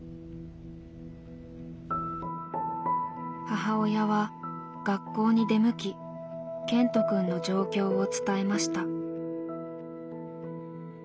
母親は学校に出向きケントくんの状況を伝えました。